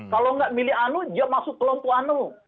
kalau nggak milih anu dia masuk kelompok anu